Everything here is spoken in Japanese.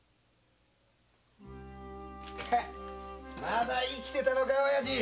まだ生きてたのかオヤジ。